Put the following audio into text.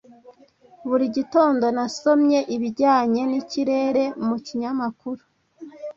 Buri gitondo nasomye ibijyanye nikirere mu kinyamakuru.